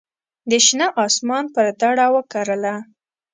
د شنه اسمان پر دړه وکرله